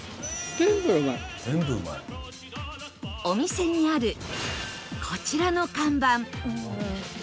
お店にあるこちらの看板